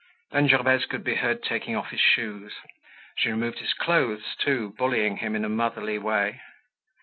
Then Gervaise could be heard taking off his shoes. She removed his clothes too, bullying him in a motherly way.